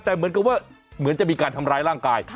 แต่เหมือนกับว่าเหมือนจะมีการทำร้ายร่างกาย